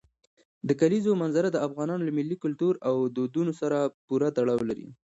د کلیزو منظره د افغانانو له ملي کلتور او دودونو سره پوره تړاو لري.